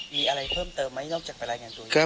มีอะไรเพิ่มเติมไหมนอกจากไปรายงานตัวอยู่แล้ว